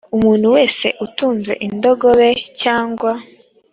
umuntu wese utunze indogobe cyangwa